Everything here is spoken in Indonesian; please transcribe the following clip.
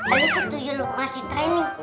ayo ketujuh lu masih training